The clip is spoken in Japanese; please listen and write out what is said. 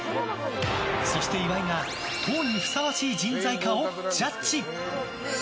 そして岩井が党にふさわしい人材かをジャッジ。